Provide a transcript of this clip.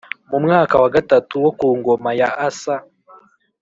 Mu mwaka wa gatatu wo ku ngoma ya asa